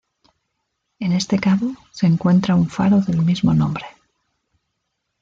En este cabo se encuentra un faro del mismo nombre.